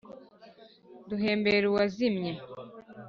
duhembera uwazimye